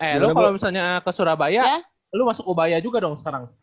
eh lo kalau misalnya ke surabaya lo masuk ubaya juga dong sekarang